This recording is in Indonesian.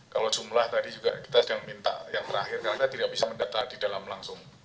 kalau jumlah tadi juga kita sedang minta yang terakhir karena kita tidak bisa mendata di dalam langsung